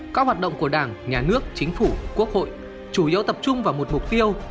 các hoạt động của đảng nhà nước chính phủ quốc hội chủ yếu tập trung vào một mục tiêu